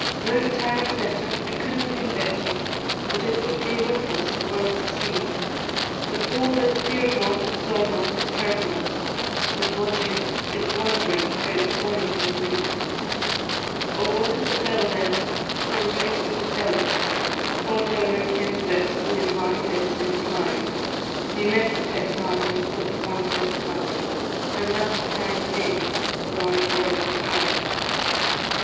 Without tie or fetter, it couldna been better, But it would gae witless the world to see; The foe that it fear'd not, it saw not, it heard not, Was watching its wand'ring frae Bonnington Lea. Oh, what then befell it, 't were waefu' to tell it, Tod Lowrie kens best, wi' his lang head sae sly; He met the pet lammie, that wanted its mammie, And left its kind hame the wide world to try.